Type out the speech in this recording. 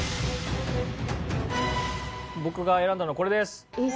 僕が選んだのこれです。